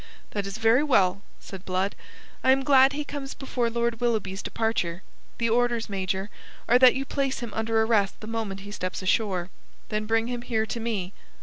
"That is very well," said Blood. "I am glad he comes before Lord Willoughby's departure. The orders, Major, are that you place him under arrest the moment he steps ashore. Then bring him here to me.